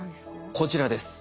こちらです。